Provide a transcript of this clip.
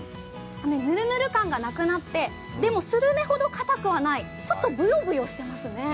ヌルヌル感がなくなってでもするめほどかたくはないちょっとぬるぬるしてますね。